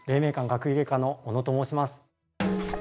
学芸課の小野と申します。